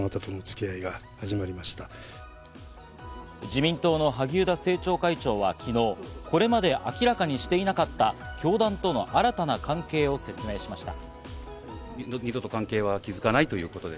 自民党の萩生田政調会長は昨日、これまで明らかにしていなかった教団との新たな関係を説明しました。